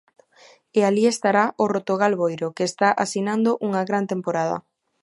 E alí estará o Rotogal Boiro, que está asinando unha gran temporada.